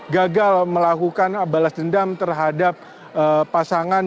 gagal melakukan balas dendam terhadap pasangan